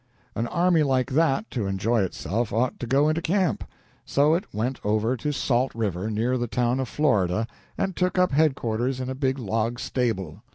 An army like that, to enjoy itself, ought to go into camp; so it went over to Salt River, near the town of Florida, and took up headquarters in a big log stable.